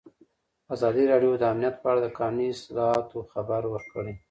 ازادي راډیو د امنیت په اړه د قانوني اصلاحاتو خبر ورکړی.